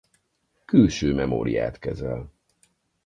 Külső memóriát kezel.